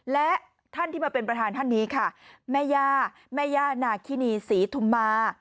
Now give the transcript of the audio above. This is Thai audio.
และท่านที่มาเป็นประธานท่านนี้ค่ะแม่ย่าแม่ย่านาคินีศรีธุมมา